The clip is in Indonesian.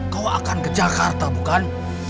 kau akan ke jakarta bukan